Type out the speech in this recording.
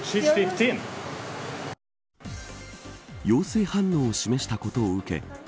陽性反応を示したことを受け